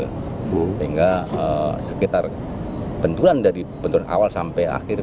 sehingga sekitar benturan dari benturan awal sampai akhir